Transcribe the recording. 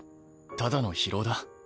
ただの疲労だ。